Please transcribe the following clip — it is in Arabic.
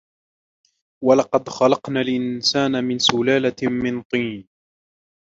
وَلَقَدْ خَلَقْنَا الْإِنْسَانَ مِنْ سُلَالَةٍ مِنْ طِينٍ